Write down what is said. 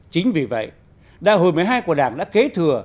chính vì vậy đại hội một mươi hai của đảng đã kế thừa